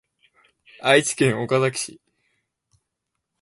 愛知県岡崎市